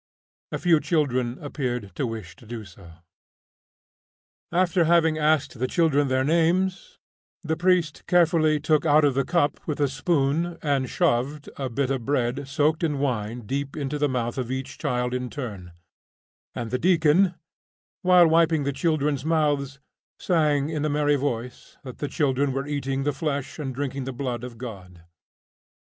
A few children appeared to wish to do so. After having asked the children their names, the priest carefully took out of the cup, with a spoon, and shoved a bit of bread soaked in wine deep into the mouth of each child in turn, and the deacon, while wiping the children's mouths, sang, in a merry voice, that the children were eating the flesh and drinking the blood of God.